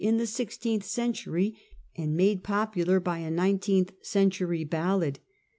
in the sixteenth century, and made popular by a nineteenth century ballad.